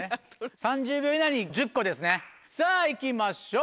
３０秒以内に１０個ですねさぁいきましょう。